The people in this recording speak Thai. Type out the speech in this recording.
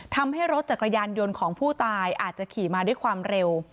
ทำให้รถจักรยานยนต์ของผู้ตายอาจจะขี่มาด้วยความเร็ว